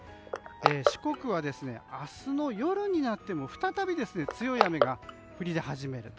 四国は、明日の夜になっても再び強い雨が降り始める。